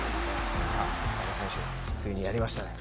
馬場選手、ついにやりましたね。